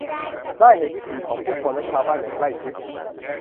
ได้เห็นวิถีผู้คนและชาวบ้านอย่างใกล้ชิด